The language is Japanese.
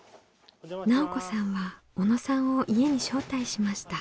奈緒子さんは小野さんを家に招待しました。